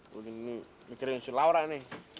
gue begini mikirin si laura nih